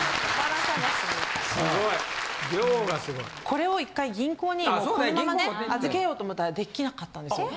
これを１回銀行にもうこのままね預けようと思ったらできなかったんですよ。